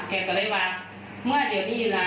เจ๊แดงก็เลยว่าเมื่อเดี๋ยวนี้ละ